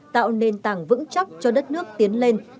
tạo nền tảng vững chắc cho đất nước tiến lên